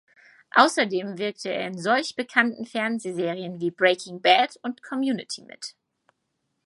Außerdem wirkte er in solch bekannten Fernsehserien wie "Breaking Bad" und "Community" mit.